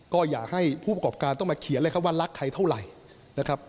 ก็อย่าให้ผู้ปกประกอบการณ์ต้องมาเขียนเลยว่ารักใครเท่าไหร่